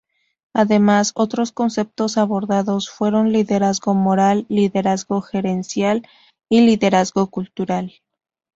Además, otros conceptos abordados fueron: liderazgo moral, liderazgo gerencial y liderazgo cultural.